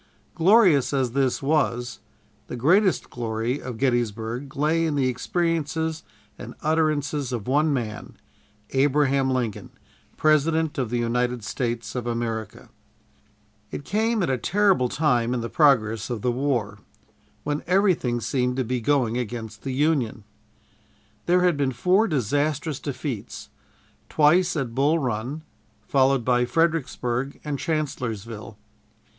Glorious as this was, the greatest glory of Gettysburg lay in the experiences and utterances of one man, Abraham Lincoln, President of the United States of America. It came at a terrible time in the progress of the war, when everything seemed to be going against the Union. There had been four disastrous defeats twice at Bull Run, followed by Fredericksburg and Chancellorsville.